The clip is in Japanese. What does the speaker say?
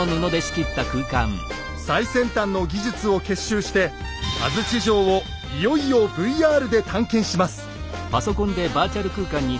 最先端の技術を結集して安土城をいよいよＶＲで探検します。